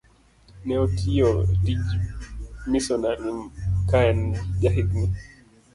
Ne otiyo tij misonari ka en jahigni